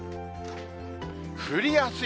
降りやすい。